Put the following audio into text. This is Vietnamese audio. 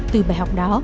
từ bài học đó